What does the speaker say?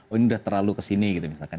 oh ini udah terlalu kesini gitu misalkan